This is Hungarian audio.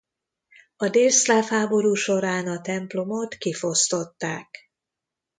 A délszláv háború során a templomot kifosztották.